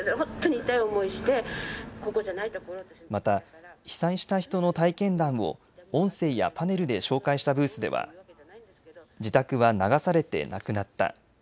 また、被災した人の体験談を音声やパネルで紹介したブースでは自宅は流されてなくなった。